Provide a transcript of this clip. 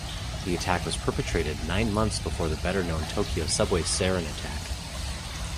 The attack was perpetrated nine months before the better known Tokyo subway sarin attack.